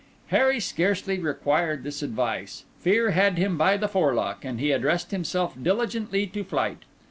Harry scarcely required this advice; fear had him by the forelock; and he addressed himself diligently to flight.